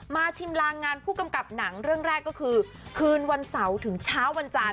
ชิมลางงานผู้กำกับหนังเรื่องแรกก็คือคืนวันเสาร์ถึงเช้าวันจาน